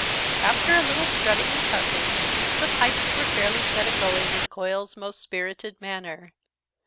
After a little strutting and puffing, the pipes were fairly set a going in Coil's most spirited manner.